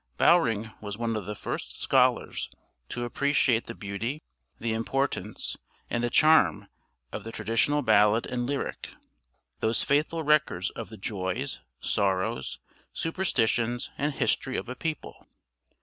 Bowring was one of the first scholars to appreciate the beauty, the importance, and the charm of the traditional ballad and lyric; those faithful records of the joys, sorrows, superstitions, and history of a people.